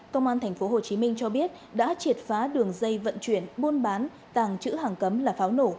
công an tp hcm cho biết đã triệt phá đường dây vận chuyển buôn bán tàng trữ hàng cấm là pháo nổ